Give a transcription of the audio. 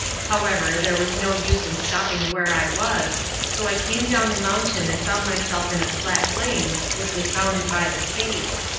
However there was no use in stopping where I was, so I came down the mountain and found myself in a flat plain which was bounded by the sea.